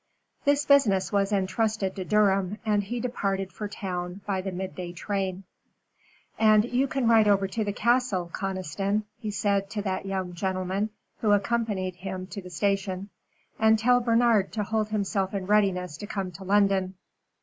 This business was entrusted to Durham, and he departed for town by the mid day train. "And you can ride over to the castle, Conniston," he said to that young gentleman, who accompanied him to the station, "and tell Bernard to hold himself in readiness to come to London."